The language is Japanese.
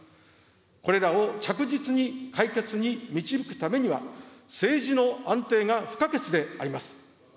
これらを着実に解決に導くためには、政治の安定が不可欠であります。